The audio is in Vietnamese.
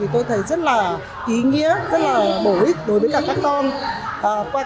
tôi thấy rất là ý nghĩa rất là bổ ích đối với cả các con